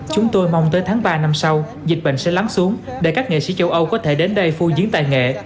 chúng tôi mong tới tháng ba năm sau dịch bệnh sẽ lắng xuống để các nghệ sĩ châu âu có thể đến đây phô diễn tài nghệ